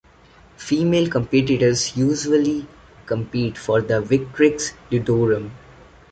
Female competitors usually compete for the Victrix ludorum.